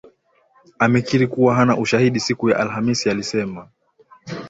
amekiri kuwa hana ushahidi Siku ya alhamisi alisema